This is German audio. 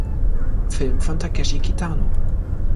Film von Takeshi Kitano.